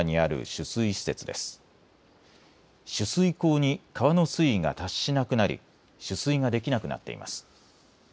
取水口に川の水位が達しなくなり取水ができなくなっています。